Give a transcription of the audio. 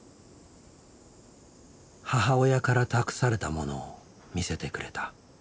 母親から託されたものを見せてくれた。